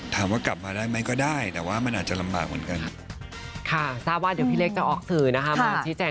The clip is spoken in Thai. ถามว่ากลับมาได้ไหมก็ได้แต่ว่ามันอาจจะลำบากเหมือนกัน